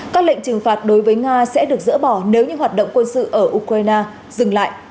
các lệnh trừng phạt đối với nga sẽ được dỡ bỏ nếu như hoạt động quân sự ở ukraine dừng lại